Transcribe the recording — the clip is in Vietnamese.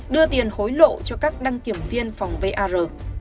đưa tiền hối lộ cho các đăng kiểm viên phòng var